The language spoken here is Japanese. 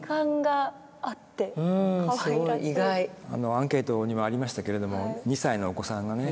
アンケートにもありましたけれども２歳のお子さんがね